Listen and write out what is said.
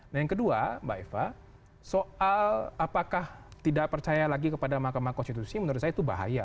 nah yang kedua mbak eva soal apakah tidak percaya lagi kepada mahkamah konstitusi menurut saya itu bahaya